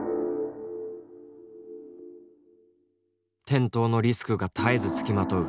転倒のリスクが絶えず付きまとう